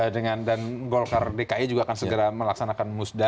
dan golkar dki juga akan segera melaksanakan musda